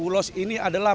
ulos ini adalah